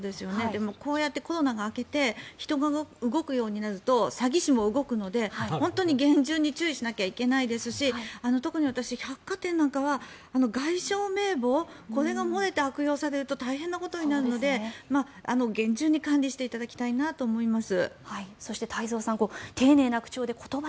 でもこうやってコロナが明けて人が動くようになると詐欺師も動くので、本当に厳重に注意しなきゃいけないですし特に私、百貨店なんかは外商名簿これが漏れて悪用されると大変なことになるので厳重に管理していただきたいなと思います。